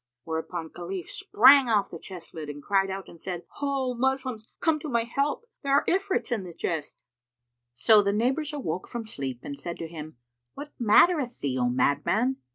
Whereupon Khalif sprang off the chest lid and cried out and said, "Ho, Moslems! Come to my help! There are Ifrits in the chest." So the neighbours awoke from sleep and said to him, "What mattereth thee, O madman?"